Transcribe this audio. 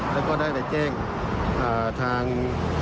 แล้วก็ได้ไปแจ้งทาง